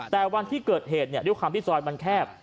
แต่วันที่เกิดเหตุด้วยความที่ซอยมันแคบ